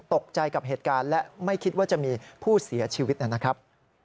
ตกใจกับเหตุการณ์และไม่คิดว่าจะมีผู้เสียชีวิตนะครับ